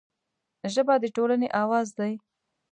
ژبه د ټولنې اواز دی